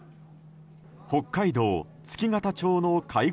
北海道月形町の介護